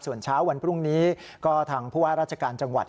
ส่วนเช้าวันพรุ่งนี้ก็ทางผู้ว่าราชการจังหวัด